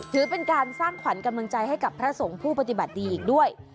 ถือเป็นการสร้างขวัญกำลังใจให้กับพระสงฆ์ผู้ปฏิบัติดีอีกด้วย